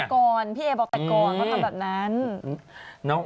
แต่ก่อนพี่เอบอกแต่ก่อนว่าทำแบบนั้น